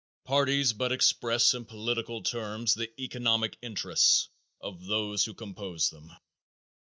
Parties but express in political terms the economic interests of those who compose them.